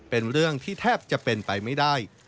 เป็นเรื่องที่แทบจะเป็นไปไม่ได้